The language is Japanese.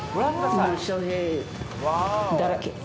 翔平だらけ。